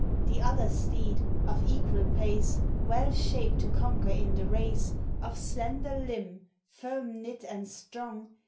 The other steed, of equal pace. Well shaped to conquer in the race; Of slender limb, firm knit, and strong.